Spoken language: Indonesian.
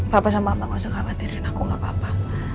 papa sama aku gak usah khawatirin aku gak apa apa